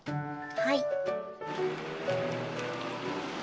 はい。